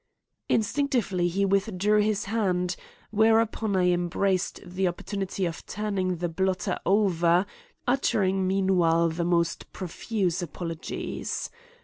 Instinctively, he withdrew his hand; whereupon I embraced the opportunity of turning the blotter over, uttering meanwhile the most profuse apologies.